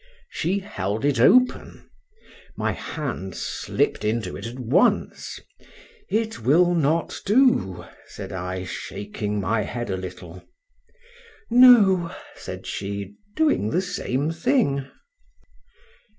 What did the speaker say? —She held it open;—my hand slipped into it at once.—It will not do, said I, shaking my head a little.—No, said she, doing the same thing.